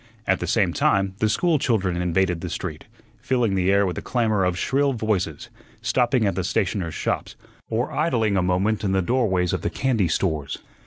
At the same time the school children invaded the street, filling the air with a clamor of shrill voices, stopping at the stationers' shops, or idling a moment in the doorways of the candy stores.